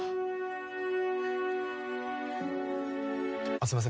あっすいません。